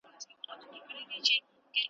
که مي نصیب سوې د وطن خاوري ,